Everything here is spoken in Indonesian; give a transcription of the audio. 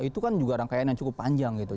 itu kan juga rangkaian yang cukup panjang gitu